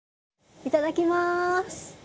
いただきます！